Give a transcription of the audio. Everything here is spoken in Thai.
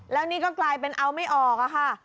แล้วภาในก็กลายเป็นเอาไม่ออก